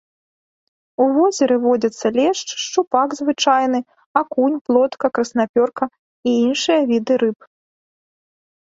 У возеры водзяцца лешч, шчупак звычайны, акунь, плотка, краснапёрка і іншыя віды рыб.